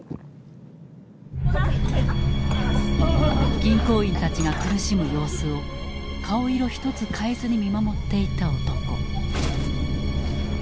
銀行員たちが苦しむ様子を顔色一つ変えずに見守っていた男。